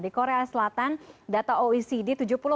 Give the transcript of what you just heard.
di korea selatan data oecd tujuh puluh